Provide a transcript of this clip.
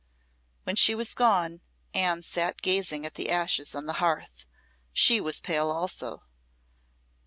When she was gone, Anne sat gazing at the ashes on the hearth. She was pale also.